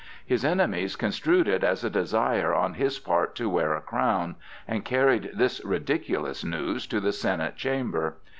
His enemies construed it as a desire on his part to wear a crown, and carried this ridiculous news to the Senate chamber.